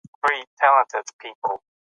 د پاڼې رنګ ولې داسې ژېړ واوښت؟